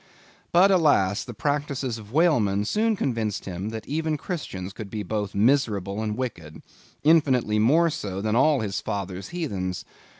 But, alas! the practices of whalemen soon convinced him that even Christians could be both miserable and wicked; infinitely more so, than all his father's heathens.